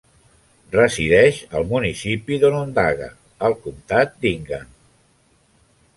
Resideix al municipi d'Onondaga, al comtat d'Ingham.